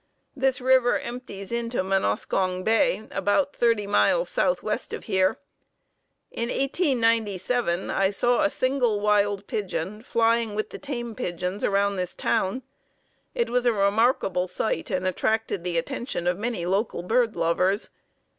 This river empties into Munoskong Bay, about thirty miles southeast of here. In 1897 I saw a single wild pigeon, flying with the tame pigeons around this town. It was a remarkable sight and attracted the attention of many local bird lovers.